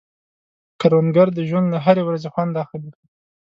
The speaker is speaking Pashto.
کروندګر د ژوند له هرې ورځې خوند اخلي